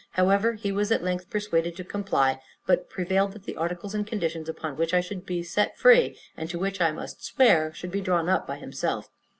However, he was at length persuaded to comply; but prevailed that the articles and conditions upon which I should be set free, and to which I must swear, should be drawn up by himself.